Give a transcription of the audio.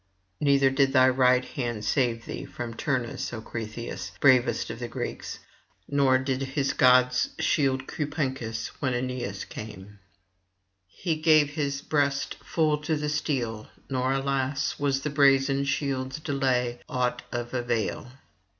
Neither did thy right hand save thee from Turnus, O Cretheus, bravest of the Greeks; nor did his gods shield Cupencus when Aeneas came; he gave his [541 575]breast full to the steel, nor, alas! was the brazen shield's delay aught of avail.